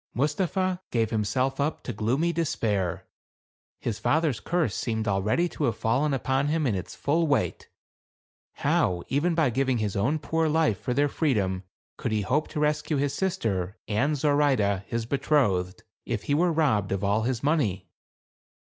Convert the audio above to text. Mustapha gave himself up to gloomy despair. His father's curse seemed already to have fallen upon him in its full weight. How even by giving his own poor life for their freedom could he hope to rescue his sister and Zoraide, his betrothed, if he were robbed of all his money